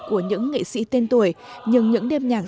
của những nghệ sĩ tên tuổi nhưng những đêm nhạc